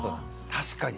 確かに。